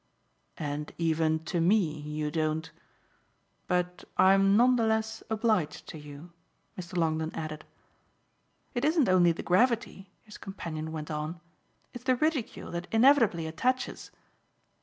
"And even to me you don't! But I'm none the less obliged to you," Mr. Longdon added. "It isn't only the gravity," his companion went on; "it's the ridicule that inevitably attaches